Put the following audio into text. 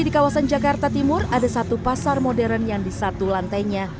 di kawasan jakarta timur ada satu pasar modern yang di satu lantainya